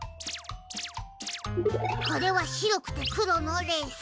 これはしろくてくろのレース。